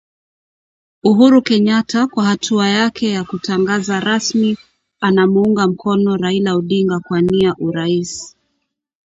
Uhuru Kenyatta kwa hatua yake ya kutangaza rasmi anamuunga mkono Raila Odinga kuwania Urais